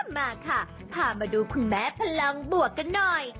มาค่ะพามาดูคุณแม่พลังบวกกันหน่อย